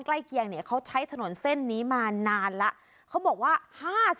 ใกล้เคียงเนี่ยเขาใช้ถนนเส้นนี้มานานแล้วเขาบอกว่า